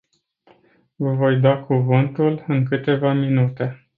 Vă voi da cuvântul în câteva minute.